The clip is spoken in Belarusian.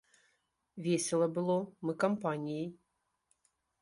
Весела было, мы кампаніяй.